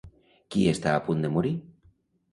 Qui està a punt de morir?